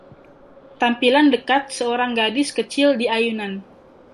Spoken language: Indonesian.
Tampilan dekat seorang gadis kecil di ayunan.